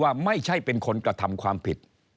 ว่าไม่ใช่เป็นคนกระทำความผิด